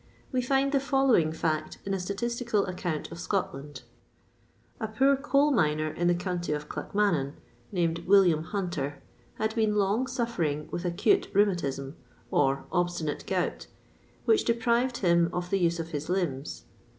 We find the following fact in a statistical account of Scotland.[XXVI 23] A poor coal miner of the county of Clackmannan, named William Hunter, had been long suffering with acute rheumatism, or obstinate gout, which deprived him of the use of his limbs.